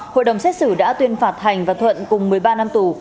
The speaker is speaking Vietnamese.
hội đồng xét xử đã tuyên phạt thành và thuận cùng một mươi ba năm tù